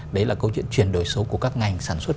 đấy là câu chuyện chuyển đổi số của các ngành sản xuất